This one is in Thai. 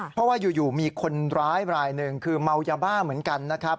เพราะว่าอยู่มีคนร้ายรายหนึ่งคือเมายาบ้าเหมือนกันนะครับ